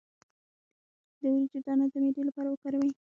د وریجو دانه د معدې لپاره وکاروئ